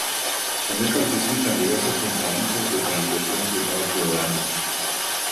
També participa en diverses conferències i organitzacions locals jordanes.